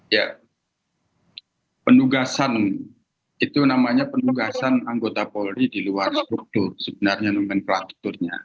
ya penugasan itu namanya penugasan anggota polri di luar struktur sebenarnya nomenklaturnya